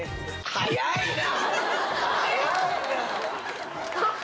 早いな！